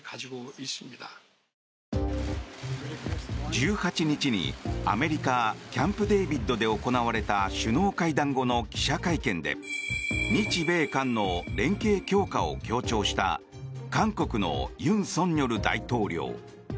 １８日にアメリカ・キャンプデービッドで行われた首脳会談後の記者会見で日米韓の連携強化を強調した韓国の尹錫悦大統領。